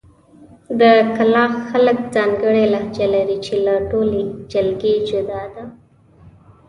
د کلاخ خلک ځانګړې لهجه لري، چې له ټولې جلګې جدا ده.